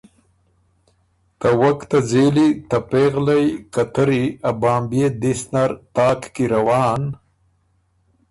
ته وک ته ځېلی ته پېغلئ قطري ا بامبيې دِست نر تاک کی روان،